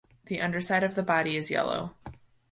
The underside of the body is yellow.